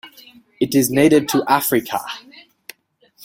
It is native to Africa.